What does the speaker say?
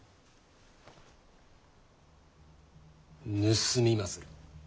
盗みまする。